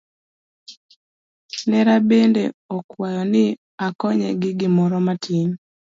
Nera bende okwaya ni akonye gi gimoro matin.